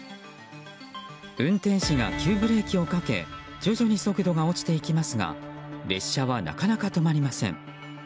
運転士が急ブレーキをかけ徐々に速度が落ちていきますが列車はなかなか止まりません。